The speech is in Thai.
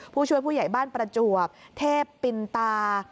ผู้ช่วยผู้ใหญ่บ้านประจวบเทพปินตา